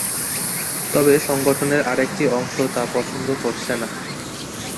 তবে সংগঠনের আরেকটি অংশ তা পছন্দ করছে না।